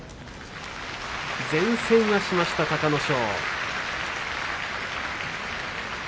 善戦はしました、隆の勝。